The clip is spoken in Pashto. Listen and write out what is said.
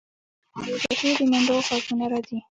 هلته د غرنیو هوسیو د منډو غږونه راځي